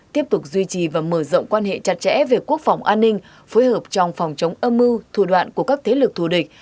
tiếp tục duy trì và mở rộng quan hệ chặt chẽ về quốc phòng an ninh phối hợp trong phòng chống âm mưu thủ đoạn của các thế lực thù địch